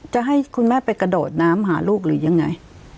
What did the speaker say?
จะให้คุณแม่ไปกระโดดน้ำหาลูกหรือยังไง